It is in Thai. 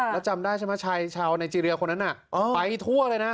แล้วจำได้ใช่ไหมชายชาวไนเจรียคนนั้นน่ะไปทั่วเลยนะ